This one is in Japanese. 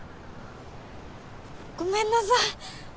ごめんなさい